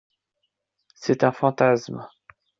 C’est un fantasme